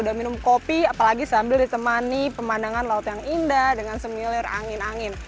udah minum kopi apalagi sambil ditemani pemandangan laut yang indah dengan semilir angin angin